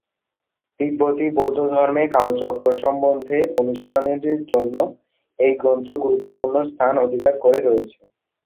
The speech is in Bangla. তিব্বতী বৌদ্ধধর্মে কালচক্র সম্বন্ধে অনুশীলনের জন্য এই গ্রন্থ গুরুত্বপূর্ণ স্থান অধিকার করে রয়েছে।